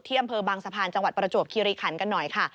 อำเภอบางสะพานจังหวัดประจวบคิริขันกันหน่อยค่ะ